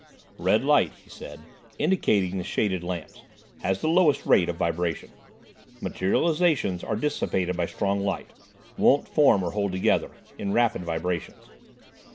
"Red light," he said, indicating the shaded lamps, "has the lowest rate of vibration. Materialisations are dissipated by strong light—won't form, or hold together—in rapid vibrations."